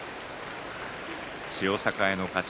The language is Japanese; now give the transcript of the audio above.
千代栄の勝ち。